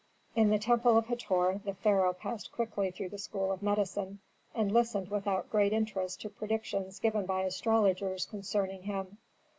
In the temple of Hator the pharaoh passed quickly through the school of medicine, and listened without great interest to predictions given by astrologers concerning him.